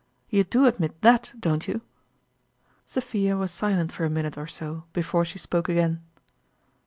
You do admit that, don't you ?" Sophia was silent for a minute pr so before she spoke again.